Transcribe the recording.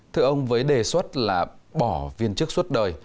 thưa ông với đề xuất là bỏ viên chức suốt đời